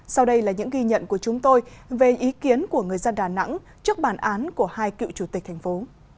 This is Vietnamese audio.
sau đây là những ghi nhận của chúng tôi về ý kiến của người dân đà nẵng trước bản án của hai cựu chủ tịch thành phố